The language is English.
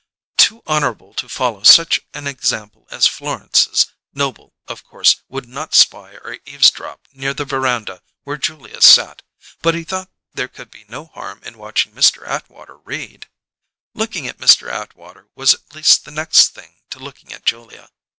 Too honourable to follow such an example as Florence's, Noble, of course, would not spy or eavesdrop near the veranda where Julia sat, but he thought there could be no harm in watching Mr. Atwater read. Looking at Mr. Atwater was at least the next thing to looking at Julia.